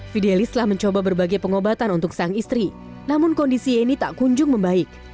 fidelis telah mencoba berbagai pengobatan untuk sang istri namun kondisi yeni tak kunjung membaik